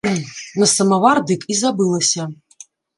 На самавар дык і забылася.